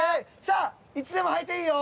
さあいつでも履いていいよ。